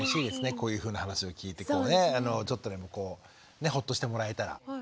こういうふうな話を聞いてこうねちょっとでもほっとしてもらえたら。